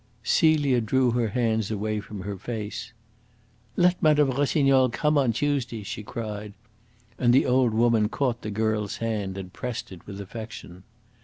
Celia drew her hands away from her face. "Let Mme. Rossignol come on Tuesday!" she cried, and the old woman caught the girl's hand and pressed it with affection.